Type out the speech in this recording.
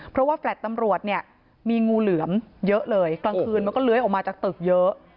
เพราะว่าแฟลต์ตำรวจเนี่ยมีงูเหลือมเยอะเลยกลางคืนมันก็เลื้อยออกมาจากตึกเยอะ